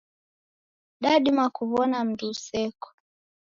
Dadima kuw'ona mndu useko.